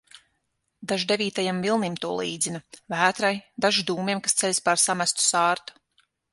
Dažs devītajam vilnim to līdzina, vētrai, dažs dūmiem, kas ceļas pār samestu sārtu.